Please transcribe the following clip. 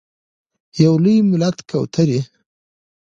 یو لوی ملت کوترې…